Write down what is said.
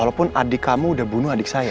walaupun adik kamu udah bunuh adik saya